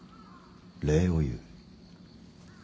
礼を言う。